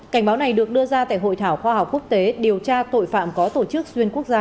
cảnh báo này được đưa ra tại hội thảo khoa học quốc tế điều tra tội phạm có tổ chức xuyên quốc gia